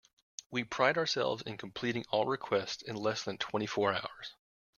We pride ourselves in completing all requests in less than twenty four hours.